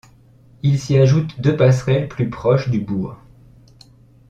Il s'y ajoute deux passerelles plus proches du bourg.